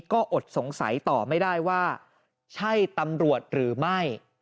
ก็อดสงสัยต่อไม่ได้ว่าใช่ตำรวจหรือไม่